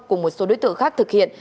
cùng một số đối tượng khác thực hiện